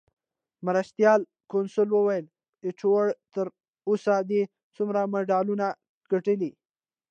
مرستیال کونسل وویل: ایټوره، تر اوسه دې څومره مډالونه ګټلي؟